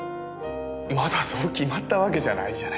まだそう決まったわけじゃないじゃない。